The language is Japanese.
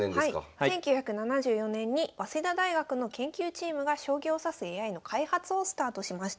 １９７４年に早稲田大学の研究チームが将棋を指すＡＩの開発をスタートしました。